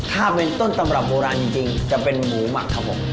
ถ้าเป็นต้นตำรับโบราณจริงจะเป็นหมูหมักครับผม